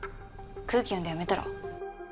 空気読んで辞めたら？